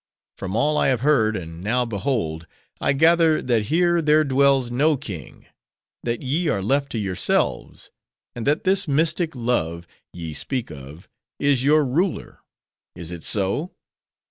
From all I have heard, and now behold, I gather that here there dwells no king; that ye are left to yourselves; and that this mystic Love, ye speak of, is your ruler. Is it so?